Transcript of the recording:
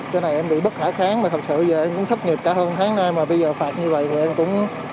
cho nên em bị bất khả kháng và thật sự em cũng thất nghiệp cả hơn tháng nay mà bây giờ phạt như vậy thì em cũng